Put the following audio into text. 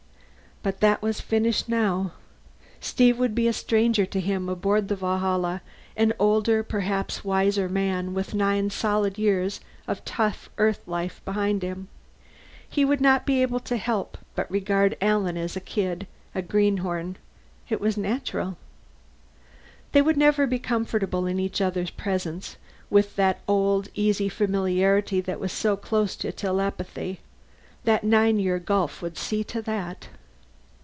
But that was finished, now. Steve would be a stranger to him aboard the Valhalla an older, perhaps wiser man, with nine solid years of tough Earther life behind him. He would not be able to help but regard Alan as a kid, a greenhorn; it was natural. They would never be comfortable in each other's presence, with the old easy familiarity that was so close to telepathy. That nine year gulf would see to that.